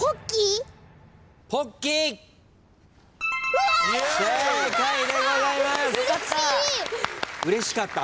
うれしかった？